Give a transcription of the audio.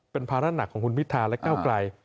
เป็นภาระหนักของคุณพิธาและก้าวไกล